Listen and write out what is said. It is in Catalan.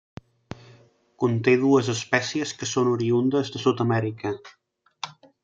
Conté dues espècies, que són oriündes de Sud-amèrica.